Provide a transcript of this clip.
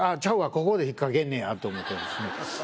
ここで引っ掛けんねやと思ってですね